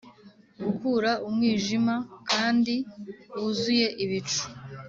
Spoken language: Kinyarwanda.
gukura umwijima kandi wuzuye ibicu